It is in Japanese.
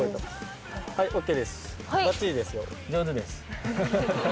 はいＯＫです。